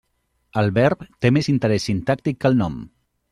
El verb té més interès sintàctic que el nom.